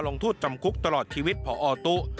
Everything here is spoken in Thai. ลองหามุนจิปราคมต้องร่วมกว่าปฏิเสธพคตุ๋